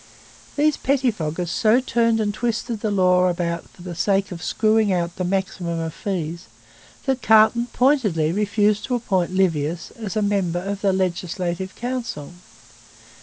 These pettifoggers so turned and twisted the law about for the sake of screwing out the maximum of fees that Carleton pointedly refused to appoint Livius as a member of the Legislative Council.